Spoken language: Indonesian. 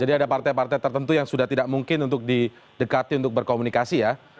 jadi ada partai partai tertentu yang sudah tidak mungkin untuk didekati untuk berkomunikasi ya